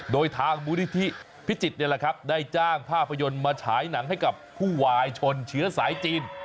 โดยทางมูลนิธิพิจิตรได้จ้างภาพยนตร์มาฉายหนังให้กับผู้วายชนเชื้อสายจีน